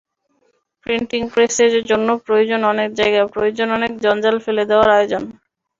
Printing প্রেসের জন্য প্রয়োজন অনেক জায়গা, প্রয়োজন অনেক জঞ্জাল ফেলে দেওয়ার আয়োজন।